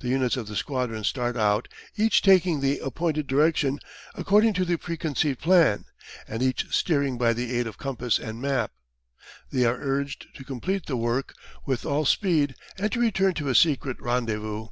The units of the squadron start out, each taking the appointed direction according to the preconceived plan, and each steering by the aid of compass and map. They are urged to complete the work with all speed and to return to a secret rendezvous.